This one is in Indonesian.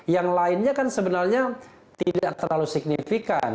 yang lainnya kan sebenarnya tidak terlalu signifikan